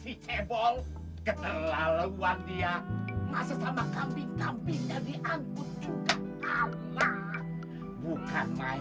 si cebol ketelaluan dia masa sama kambing kambingnya diangkut juga alat bukan main